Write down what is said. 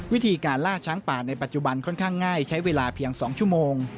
วิธีการล่าช้างป่าในปัจจุบันค่อนข้างง่ายใช้เวลาเพียง๒ชั่วโมง